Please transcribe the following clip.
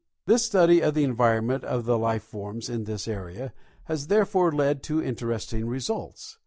This study of the environment of the life forms in this area has therefore led to interesting results.